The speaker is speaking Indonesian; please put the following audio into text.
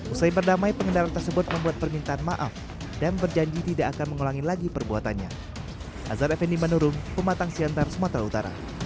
usai berdamai pengendara tersebut membuat permintaan maaf dan berjanji tidak akan mengulangi lagi perbuatannya